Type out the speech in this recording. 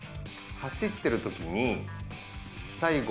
走ってるときに、最後。